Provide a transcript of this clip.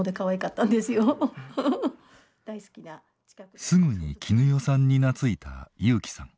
すぐに絹代さんに懐いた裕樹さん。